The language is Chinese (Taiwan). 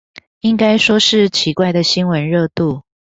應該說是奇怪的新聞熱度